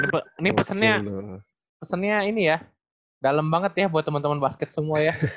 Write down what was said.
ini pesennya pesennya ini ya dalam banget ya buat temen temen basket semua ya